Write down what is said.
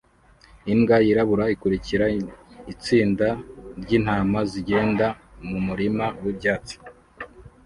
Imbwa yirabura ikurikira itsinda ryintama zigenda mumurima wibyatsi